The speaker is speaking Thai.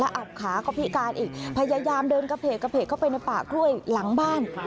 อับขาก็พิการอีกพยายามเดินกระเพกกระเพกเข้าไปในป่ากล้วยหลังบ้าน